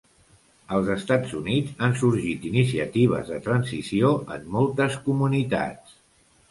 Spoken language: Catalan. Als Estats Units, han sorgit iniciatives de transició en moltes comunitats.